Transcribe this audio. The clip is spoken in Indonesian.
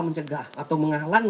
mencegah atau menghalangi